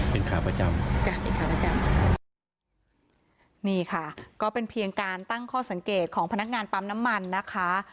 เป็นขาประจำจ้ะเป็นขาประจำนี่ค่ะก็เป็นเพียงการตั้งข้อสังเกตของพนักงานปั๊มน้ำมันนะคะ